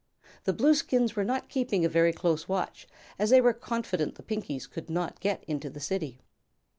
The Blueskins were not keeping a very close watch, as they were confident the Pinkies could not get into the City.